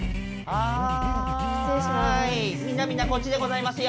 みんなみんなこっちでございますよ。